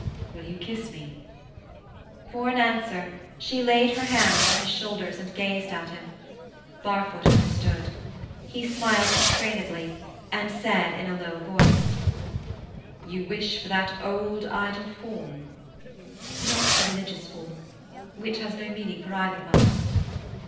"Will you kiss me?" For an answer she laid her hands on his shoulders and gazed at him. Barfoot understood. He smiled constrainedly, and said in a low voice,— "You wish for that old, idle form—?" "Not the religious form, which has no meaning for either of us.